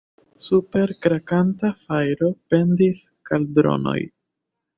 Super krakanta fajro pendis kaldronoj.